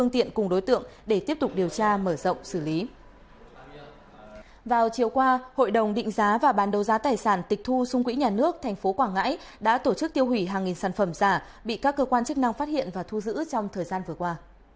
vào chiều qua hội đồng định giá và bán đấu giá tài sản tịch thu xung quỹ nhà nước tp quảng ngãi đã tổ chức tiêu hủy hàng nghìn sản phẩm giả bị các cơ quan chức năng phát hiện và thu giữ trong thời gian vừa qua